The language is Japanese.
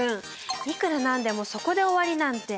いくらなんでもそこで終わりなんて。